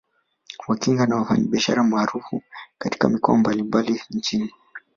Wakinga ni wafanyabiashara maarufu katika mikoa mbalimbali nchini